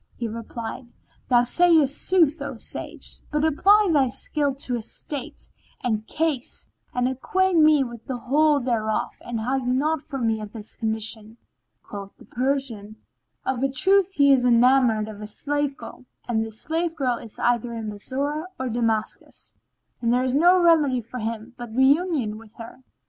"[FN#12] He replied, Thou sayest sooth, O sage, but apply thy skill to his state and case, and acquaint me with the whole thereof and hide naught from me of his condition." Quoth the Persian, "Of a truth he is enamoured of a slave girl and this slave girl is either in Bassorah or Damascus; and there is no remedy for him but reunion with her."